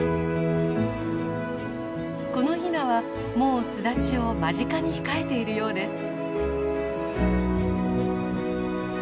このヒナはもう巣立ちを間近に控えているようです。